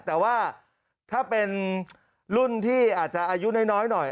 แต่ว่าถ้าเป็นรุ่นที่อาจจะอายุน้อยหน่อย